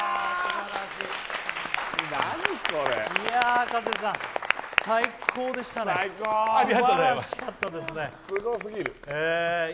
葉加瀬さん、最高でしたね、すばらしかった。